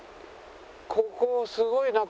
ここすごいな鯉。